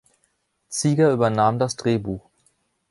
Zieger übernahm das Drehbuch.